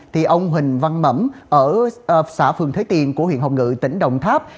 thì ông huỳnh văn mẩm ở xã phường thế tiền của huyện hồng ngự tỉnh đồng tháp